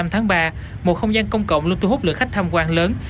hai mươi năm tháng ba một không gian công cộng luôn thu hút lượng khách tham quan lớn